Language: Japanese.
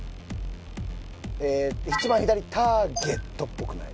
一番左「ターゲット」っぽくない？